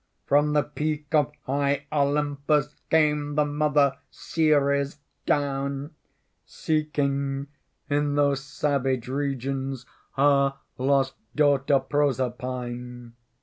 "From the peak of high Olympus Came the mother Ceres down, Seeking in those savage regions Her lost daughter Proserpine.